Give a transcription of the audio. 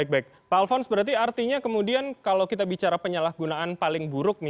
pak alfons berarti artinya kemudian kalau kita bicara penyalahgunaan paling buruk